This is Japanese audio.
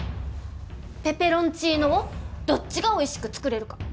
ペペロンチーノをどっちがおいしく作れるか。